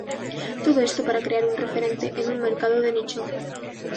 Todo esto para crear un referente en un mercado de nicho.